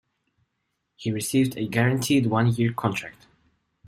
He received a guaranteed one-year contract.